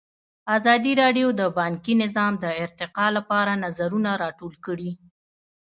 ازادي راډیو د بانکي نظام د ارتقا لپاره نظرونه راټول کړي.